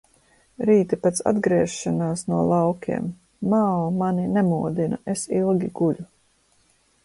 Rīti pēc atgriešanās no laukiem – Mao mani nemodina – es ilgi guļu.